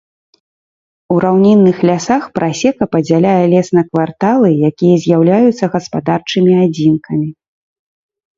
У раўнінных лясах прасека падзяляе лес на кварталы, якія з'яўляюцца гаспадарчымі адзінкамі.